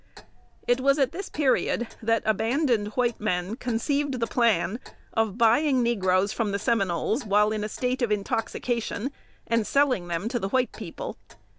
It was at this period that abandoned white men conceived the plan of buying negroes from Seminoles while in a state of intoxication, and selling them to the white people.